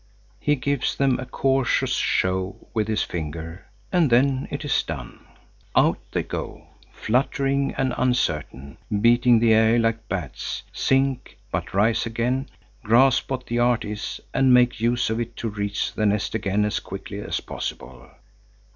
He gives them a cautious shove with his finger and then it is done. Out they go, fluttering and uncertain, beating the air like bats, sink, but rise again, grasp what the art is and make use of it to reach the nest again as quickly as possible.